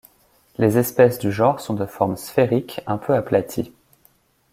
Les espèces du genre sont de forme sphérique un peu aplatie.